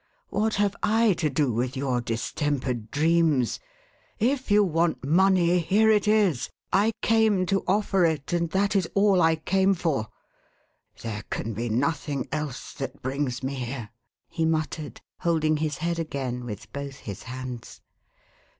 What have I to do with your distempered dreams? If you want money, here it is. I came to offer it; and that is all I came for. There can be nothing else that brings me here," he muttered, holding his head again, with both his hands.